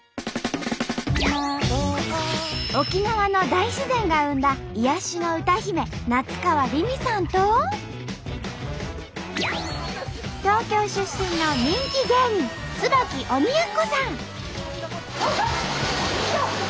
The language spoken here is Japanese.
沖縄の大自然が生んだ癒やしの歌姫夏川りみさんと東京出身の人気芸人椿鬼奴さん！